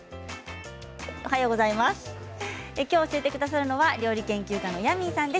教えてくださるのは料理研究家のヤミーさんです。